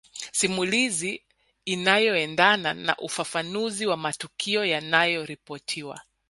Simulizi inayoendana na ufafanuzi wa matukio yanayoripotiwa